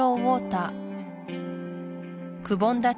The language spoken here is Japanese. くぼんだ